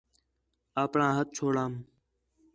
اپݨاں ہَتھ چھوڑوام